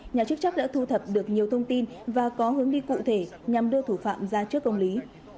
nhà chức trách đã thu thập được nhiều thông tin và có hướng đi cụ thể nhằm đưa thủ phạm ra trước công lý